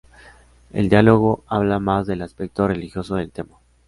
El diálogo habla más del aspecto religioso del tema.